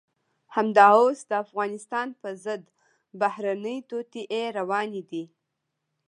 همدا اوس د افغانستان په ضد بهرنۍ توطئې روانې دي.